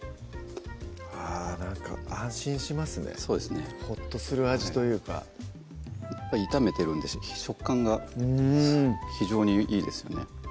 あなんか安心しますねそうですねホッとする味というかやっぱり炒めてるんで食感が非常にいいですよね